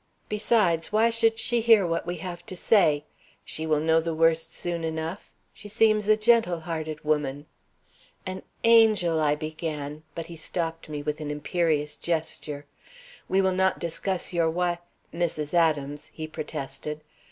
Besides, why should she hear what we have to say? She will know the worst soon enough. She seems a gentle hearted woman." "An angel!" I began, but he stopped me with an imperious gesture. "We will not discuss your wi Mrs. Adams," he protested.